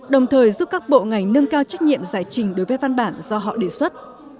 đồng thời giúp các bộ ngành nâng cao trách nhiệm giải trình đối với văn bản do họ đề xuất